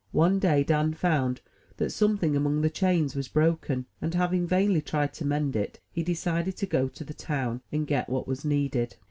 One day Dan found that some thing among the chains was broken; and, having vainly tried to mend it, he decided to go to the town, and get what was needed.